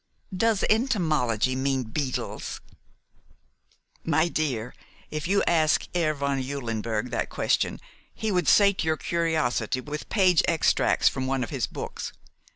"Does entomology mean beetles?" "My dear, if you asked Herr von Eulenberg that question he would sate your curiosity with page extracts from one of his books.